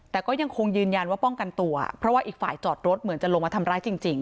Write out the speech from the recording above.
แต่ก็ยังคงยืนยันว่าป้องกันตัวเพราะว่าอีกฝ่ายจอดรถเหมือนจะลงมาทำร้ายจริง